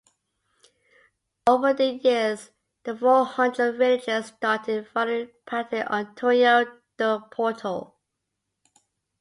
Over the years, the four hundred villagers started following Padre Antonio do Porto.